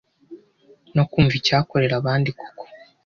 no kumva icyakorera abandi koko